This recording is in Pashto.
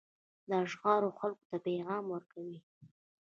دا شعار خلکو ته پیغام ورکوي.